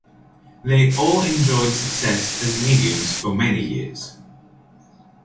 They all enjoyed success as mediums for many years.